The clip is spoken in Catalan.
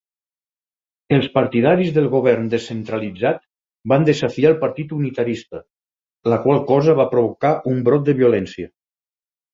Els partidaris del govern descentralitzat van desafiar el Partit Unitarista, la qual cosa va provocar un brot de violència.